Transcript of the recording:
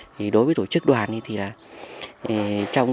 thì đối với tổ chức đoàn thì là trong